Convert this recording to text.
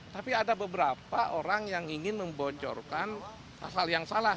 tapi ada beberapa orang yang ingin membocorkan pasal yang salah